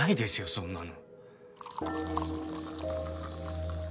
そんなの。